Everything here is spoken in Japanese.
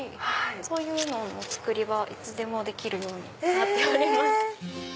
そういうのもお作りはいつでもできるようになっております。